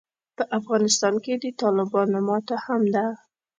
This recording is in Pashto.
په افغانستان کې د طالبانو ماته هم ده.